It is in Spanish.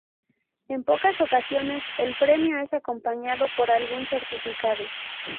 En pocas ocasiones, el premio es acompañado por algún certificado.